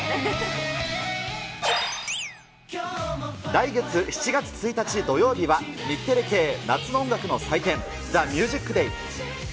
来月、７月１日土曜日は日テレ系夏の音楽の祭典、ＴＨＥＭＵＳＩＣＤＡＹ。